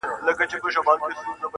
o دا روڼه ډېــوه مي پـه وجـود كي ده.